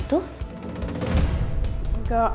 tidak enggak emang gak apa apa